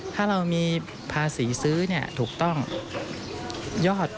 ถ้าเรามีภาษีซื้อถูกต้องยอด